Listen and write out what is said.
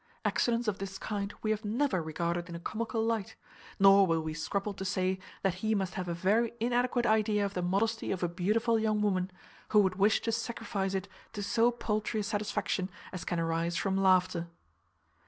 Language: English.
Accidents of this kind we have never regarded in a comical light; nor will we scruple to say that he must have a very inadequate idea of the modesty of a beautiful young woman, who would wish to sacrifice it to so paltry a satisfaction as can arise from laughter.